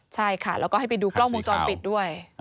ใช่ค่ะแล้วก็ให้ไปดูกล้องวงจรปิดด้วย